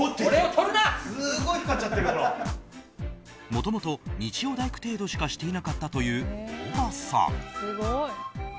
もともと日曜大工程度しかしていなかったという大場さん。